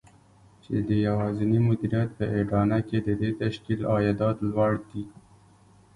چې د يوازېني مديريت په اډانه کې د دې تشکيل عايدات لوړ دي.